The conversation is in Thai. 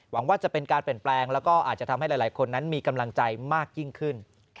หวังว่าจะเป็นการเปลี่ยนแปลงแล้วก็อาจจะทำให้หลายคนนั้นมีกำลังใจมากยิ่งขึ้น